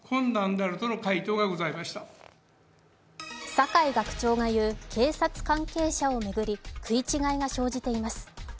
酒井学長が言う、警察関係者を巡り、食い違いが生じています。